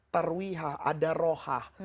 terwihah ada rohah